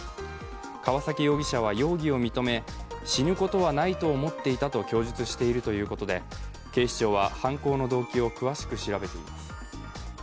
川崎容疑者は容疑を認め死ぬことはないと思っていたと供述しているということで警視庁は犯行の動機を詳しく調べています。